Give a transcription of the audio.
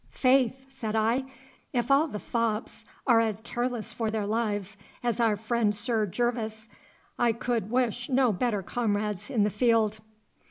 'Faith!' said I, 'if all the fops are as careless for their lives as our friend Sir Gervas, I could wish no better comrades in the field.